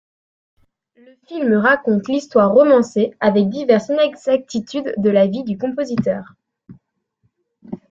Le film raconte l'histoire romancée avec diverses inexactitudes de la vie du compositeur.